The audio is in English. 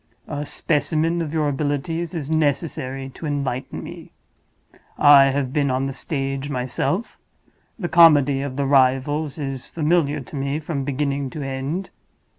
A specimen of your abilities is necessary to enlighten me. I have been on the stage myself; the comedy of the Rivals is familiar to me from beginning to end.